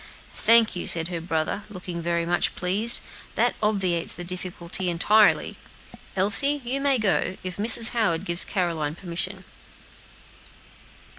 "Thank you," said her brother, looking very much pleased; "that obviates the difficulty entirely. Elsie, you may go, if Mrs. Howard gives Caroline permission."